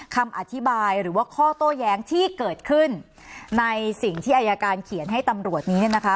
คำอธิบายหรือว่าข้อโต้แย้งที่เกิดขึ้นในสิ่งที่อายการเขียนให้ตำรวจนี้เนี่ยนะคะ